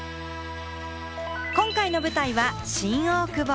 今回の舞台は新大久保。